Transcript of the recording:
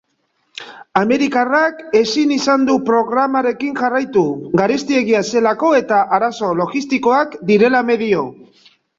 Amerikarrak ezin izan du programarekin jarraitu garestiegia zelako eta arazo logistikoak direla medio.